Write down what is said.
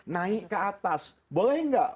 naik ke atas boleh nggak